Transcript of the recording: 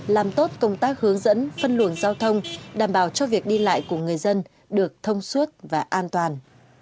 làm tốt công tác hướng dẫn phân luồng giao thông đảm bảo cho việc đi lại của người dân được thông suốt và an toàn